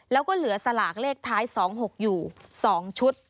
แล้วก็เหลือสลากเลขท้าย๒๖อยู่๒ชุด